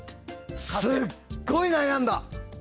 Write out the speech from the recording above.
すっごい悩んだ！